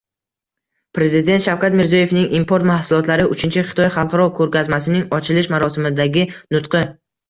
Prezident Shavkat Mirziyoyevning Import mahsulotlari uchinchi Xitoy xalqaro ko‘rgazmasining ochilish marosimidagi nutqi